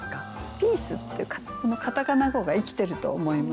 「ピース」っていうこのカタカナ語が活きてると思います。